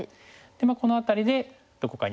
まあこの辺りでどこかにね。